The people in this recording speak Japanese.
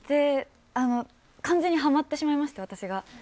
完全にはまってしまいました私が。